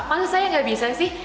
maksud saya enggak bisa sih